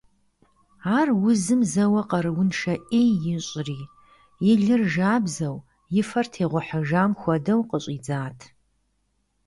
Ар узым зэуэ къарууншэ Ӏеи ищӏри, и лыр жабзэу и фэр тегъухьыжам хуэдэу къыщӀидзат.